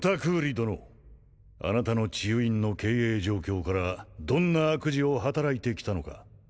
殿あなたの治癒院の経営状況からどんな悪事を働いてきたのか